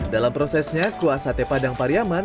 dalam prosesnya kuah sate padang pariaman